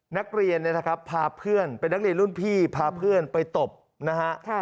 นักเรียนเนี่ยนะครับพาเพื่อนเป็นนักเรียนรุ่นพี่พาเพื่อนไปตบนะฮะ